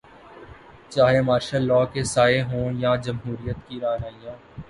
چاہے martial law کے سائے ہوں یا جمہوریت کی رعنائیاں۔